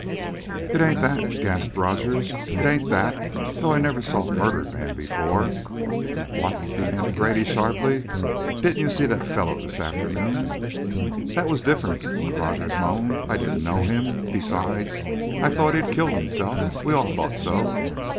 "It ain't that," gasped Rogers. "It ain't that though I never saw a murdered man before." "What?" demanded Grady, sharply. "Didn't you see that fellow this afternoon?" "That was different," Rogers moaned. "I didn't know him. Besides, I thought he'd killed himself. We all thought so."